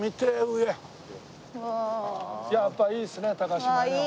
やっぱいいですね高島屋は。